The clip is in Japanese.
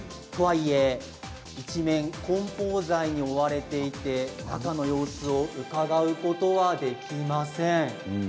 とはいえ一面こん包材に覆われていて中の様子をうかがうことはできません。